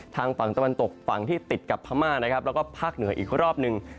ฝั่งตะวันตกฝั่งที่ติดกับพม่านะครับแล้วก็ภาคเหนืออีกรอบหนึ่ง